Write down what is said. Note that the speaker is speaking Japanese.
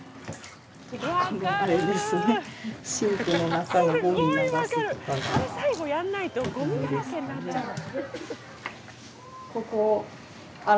これ最後やんないとゴミだらけになっちゃうの。